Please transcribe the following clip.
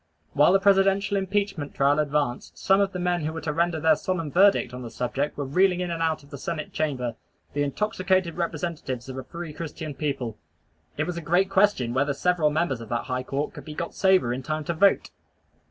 While the Presidential Impeachment trial advanced, some of the men who were to render their solemn verdict on the subject were reeling in and out of the Senate chamber, the intoxicated representatives of a free Christian people. It was a great question whether several members of that high court could be got sober in time to vote.